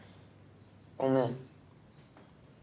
ごめん。